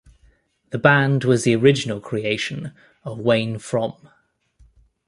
The band was the original creation of Wayne Fromm.